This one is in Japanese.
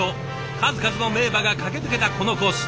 数々の名馬が駆け抜けたこのコース。